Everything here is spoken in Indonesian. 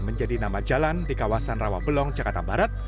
menjadi nama jalan di kawasan rawabelong jakarta barat